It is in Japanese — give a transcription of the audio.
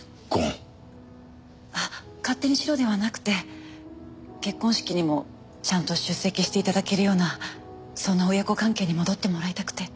あっ勝手にしろではなくて結婚式にもちゃんと出席して頂けるようなそんな親子関係に戻ってもらいたくて。